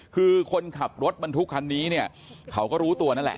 คือคนขับรถบรรทุกคันนี้เนี่ยเขาก็รู้ตัวนั่นแหละ